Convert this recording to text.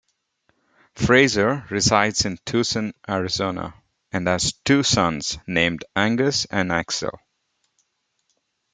Fraser resides in Tucson, Arizona and has two sons named Angus and Axel.